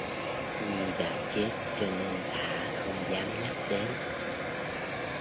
Nhi đã chết cho nên thả không dám nhắc đến